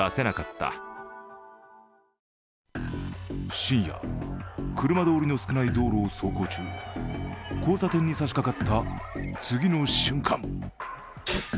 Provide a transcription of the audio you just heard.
深夜、車通りの少ない道路を走行中、交差点にさしかかった次の瞬間